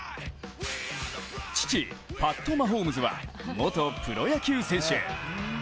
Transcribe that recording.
父、パット・マホームズは元プロ野球選手。